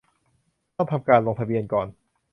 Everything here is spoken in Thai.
ต้องทำการลงทะเบียนก่อน